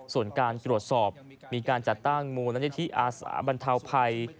ส่วนการตรวจสอบมีการจัดตั้งมูลนิธิอาสาบรรเทาภัย